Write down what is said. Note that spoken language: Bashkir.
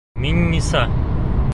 Миңниса: